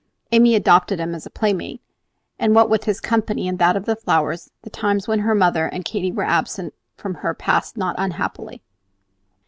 Amy adopted him as a playmate; and what with his company and that of the flowers, the times when her mother and Katy were absent from her passed not unhappily.